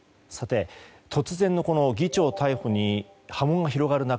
突然の議長逮捕に波紋が広がる中